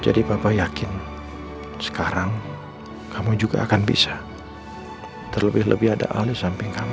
jadi bapak yakin sekarang kamu juga akan bisa terlebih lebih ada ali samping kamu